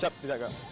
siap tidak galak